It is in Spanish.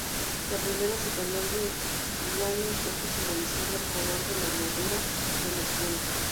La primera superior de gules rojo simbolizando el color de la bordura del escudo.